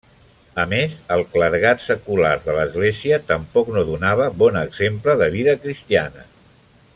A més, el clergat secular de l'Església tampoc no donava bon exemple de vida cristiana.